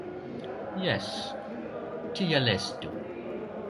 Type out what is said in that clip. Jes, tiel estu.